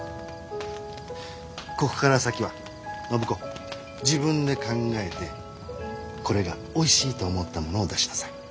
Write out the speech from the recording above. ここから先は暢子自分で考えてこれがおいしいと思ったものを出しなさい。